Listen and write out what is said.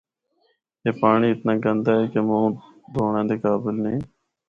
اے پانڑی اتنا گندا اے کہ منہ دونڑا دے قابل نیں۔